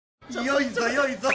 よいぞよいぞ。